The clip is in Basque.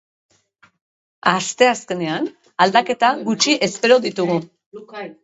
Asteazkenean, aldaketa gutxi espero ditugu.